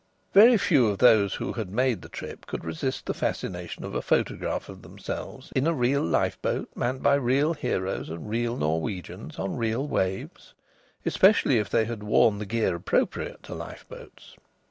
_" Very few of those who had made the trip could resist the fascination of a photograph of themselves in a real lifeboat, manned by real heroes and real Norwegians on real waves, especially if they had worn the gear appropriate to lifeboats.